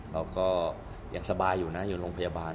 เราก็ยังสบายอยู่นะอยู่โรงพยาบาล